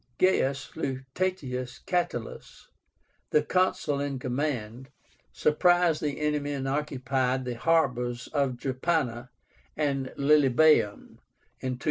GAIUS LUTATIUS CATALUS, the Consul in command, surprised the enemy and occupied the harbors of Drepana and Lilybaeum in 242.